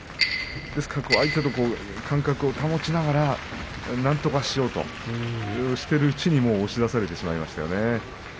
ですから相手と間隔を保ちながらなんとかしようとそうしているうちに押し出されてしまいましたね。